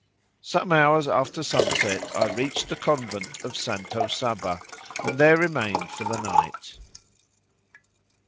Some hours after sunset I reached the convent of Santa Saba, and there remained for the night.